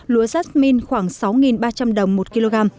lúa sát minh khoảng sáu ba trăm linh đồng một kg